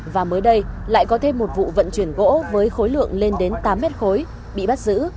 và mới đây lại có thêm một vụ vận chuyển gỗ với khối lượng lên đến tám mét khối bị bắt giữ